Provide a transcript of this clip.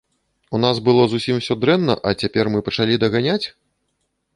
У нас было зусім усё дрэнна, а цяпер мы пачалі даганяць?